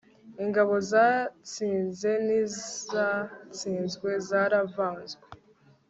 ingabo zatsinze n'izatsinzwe zaravanzwe